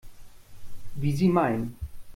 Wie Sie meinen.